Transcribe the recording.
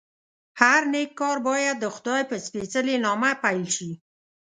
هر نېک کار باید دخدای په سپېڅلي نامه پیل شي.